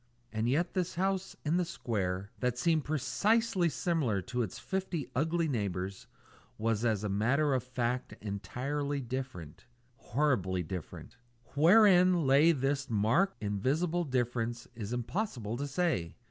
And yet this house in the square, that seemed precisely similar to its fifty ugly neighbours, was as a matter of fact entirely different horribly different. Wherein lay this marked, invisible difference is impossible to say.